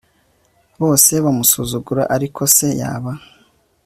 bose bamusuzugura ariko se yaba